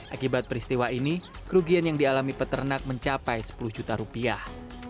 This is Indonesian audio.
akibat peristiwa ini kerugian yang dialami peternak mencapai sepuluh juta rupiah